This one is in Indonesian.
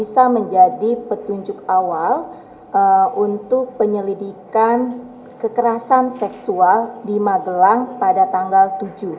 ini petunjuk awal untuk penyelidikan kekerasan seksual di magelang pada tanggal tujuh